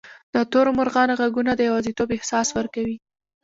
د تورو مرغانو ږغونه د یوازیتوب احساس ورکوي.